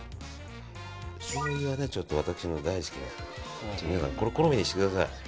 しょうゆは私も大好きなので好みにしてください。